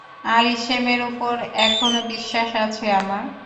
আরিশেমের উপর এখনো বিশ্বাস আছে আমার।